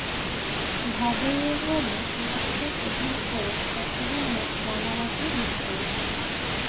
ঘাগড়া ইউনিয়নে যোগাযোগের প্রধান সড়ক চট্টগ্রাম-রাঙ্গামাটি মহাসড়ক।